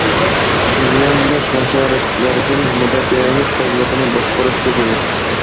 زىيانداش ھاشاراتلاردىن مۇداپىئەلىنىش تازىلىقىنى باشقۇرۇش تۈزۈمى.